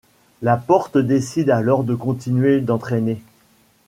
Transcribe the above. Laporte décide alors de continuer d'entraîner.